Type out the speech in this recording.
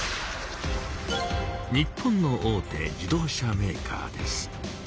日本の大手自動車メーカーです。